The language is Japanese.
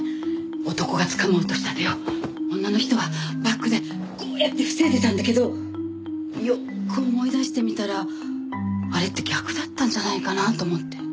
男がつかもうとした手を女の人はバッグでこうやって防いでたんだけどよく思い出してみたらあれって逆だったんじゃないかなと思って。